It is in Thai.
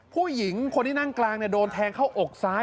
ผู้หญิงคนที่นั่งกลางโดนแทงเข้าอกซ้าย